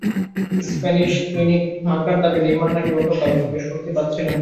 Spanish দৈনিক মার্কার দাবি, নেইমার নাকি গতকাল বুটে স্বস্তি পাচ্ছিলেন না।